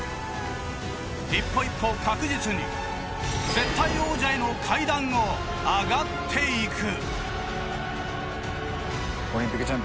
一歩一歩確実に絶対王者への階段を上がっていく。